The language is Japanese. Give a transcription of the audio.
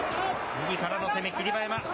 右からの攻め、霧馬山。